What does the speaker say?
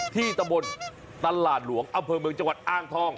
ตะบนตลาดหลวงอำเภอเมืองจังหวัดอ้างทอง